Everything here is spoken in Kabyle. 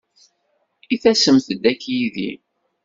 I tasem-d akk yid-i?